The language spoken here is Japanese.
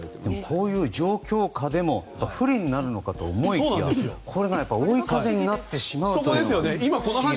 こういう状況下でも不利になるのかと思いきやこれが追い風になってしまうのが不思議ですね。